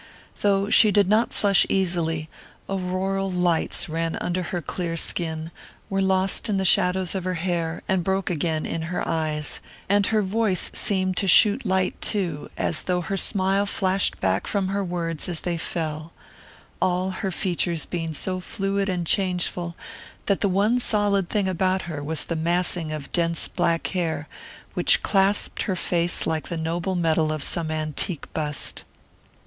Though she did not flush easily, auroral lights ran under her clear skin, were lost in the shadows of her hair, and broke again in her eyes; and her voice seemed to shoot light too, as though her smile flashed back from her words as they fell all her features being so fluid and changeful that the one solid thing about her was the massing of dense black hair which clasped her face like the noble metal of some antique bust.